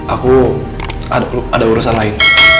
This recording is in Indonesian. aku ada urusan lain